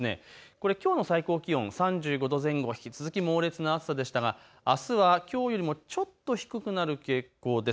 これ、きょうの最高気温３５度前後、引き続き猛烈な暑さでしたがあすはきょうよりもちょっと低くなる傾向です。